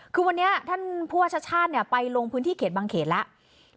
คือวันนี้ท่านผู้ว่าชาติชาติไปลงพื้นที่เขตบางเขตแล้ว